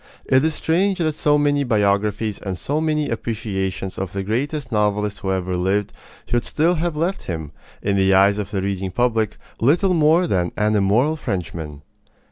It is strange that so many biographies and so many appreciations of the greatest novelist who ever lived should still have left him, in the eyes of the reading public, little more than "an immoral Frenchman."